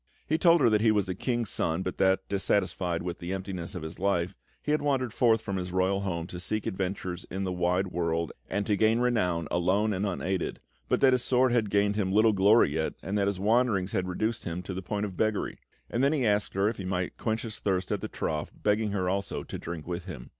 He told her that he was a king's son, but that, dissatisfied with the emptiness of his life, he had wandered forth from his royal home to seek adventures in the wide world and to gain renown alone and unaided, but that his sword had gained him little glory yet, and that his wanderings had reduced him to the point of beggary; and then he asked her if he might quench his thirst at the trough, begging her also to drink with him.